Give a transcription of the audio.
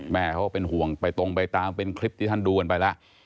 แม่เขาก็เป็นห่วงไปตรงไปตามเป็นคลิปที่ท่านดูกันไปแล้ว